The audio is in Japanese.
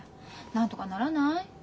なんとかならない？